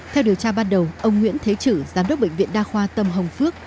theo điều tra ban đầu ông nguyễn thế trữ giám đốc bệnh viện đa khoa tâm hồng phước